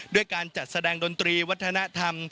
ด้วยการจัดแสดงดนตรีวัฒนธรรม